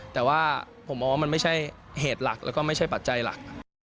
แต่ว่าผมมองว่ามันไม่ใช่เหตุหลักแล้วก็ไม่ใช่ปัจจัยหลัก